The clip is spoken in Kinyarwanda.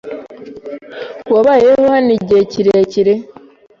Wabayeho hano igihe kirekire?